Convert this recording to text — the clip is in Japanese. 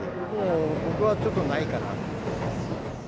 僕はちょっとないかなと。